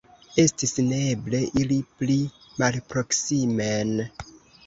Estis neeble iri pli malproksimen.